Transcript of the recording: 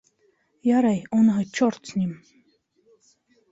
Ярай, уныһы чорт с ним.